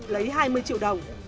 lấy hai mươi triệu đồng